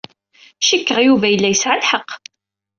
Cikkeɣ Yuba yella yesɛa lḥeqq.